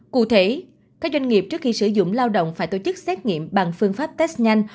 cụ thể các doanh nghiệp trước khi sử dụng lao động phải tổ chức xét nghiệm bằng phương pháp test nhanh